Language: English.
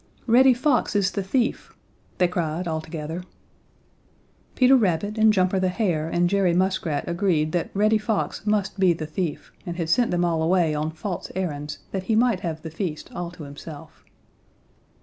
"Reddy Fox is the thief!" they cried all together. Peter Rabbit and Jumper the Hare and Jerry Muskrat agreed that Reddy Fox must be the thief, and had sent them all away on false errands that he might have the feast all to himself.